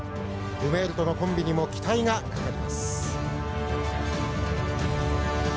ルメールとのコンビにも期待がかかります。